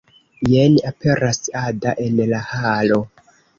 Jen aperas Ada en la halo.